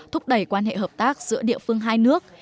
thúc đẩy quan hệ hợp tác giữa địa phương hai nước